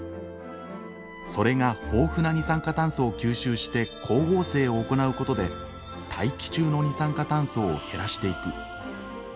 それが豊富な二酸化炭素を吸収して光合成を行うことで大気中の二酸化炭素を減らしていく。